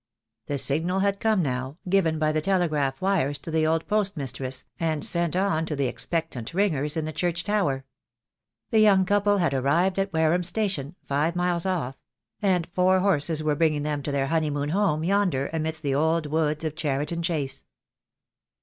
The signal had come now, given by the telegraph wires to the old post mistress, and sent on to the expectant ringers in the church tower. The young couple had arrived at Wareham station, five miles off; and four horses were bringing them to their honeymoon home yonder amidst the old woods of Cheriton Chase.